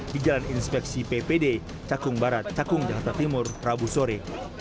di jalan inspeksi ppd cakung barat cakung jakarta timur rabu sore